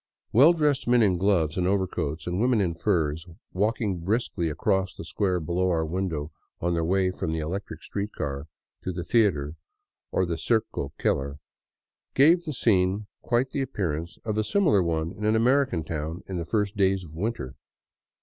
Well dressed men in gloves and overcoats and women in furs walking briskly across the square below our window on their way from the electric street cars to the theater or the " Circo Keller," gave the scene quite the appearance of a similar one in an American town in the first days of winter.